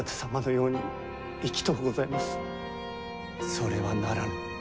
それはならぬ。